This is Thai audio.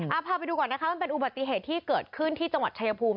เอาพาไปดูก่อนนะคะมันเป็นอุบัติเหตุที่เกิดขึ้นที่จังหวัดชายภูมิ